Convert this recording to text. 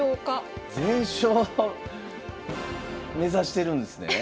全勝目指してるんですね。